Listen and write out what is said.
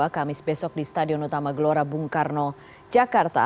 kamis besok di stadion utama gelora bung karno jakarta